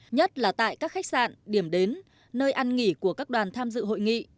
nhất là tại các khách sạn điểm đến nơi ăn nghỉ của các đoàn tham dự hội nghị